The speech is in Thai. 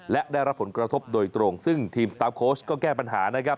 และได้รับผลกระทบโดยตรงซึ่งทีมสตาร์ฟโค้ชก็แก้ปัญหานะครับ